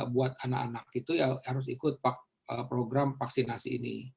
buat anak anak itu ya harus ikut program vaksinasi ini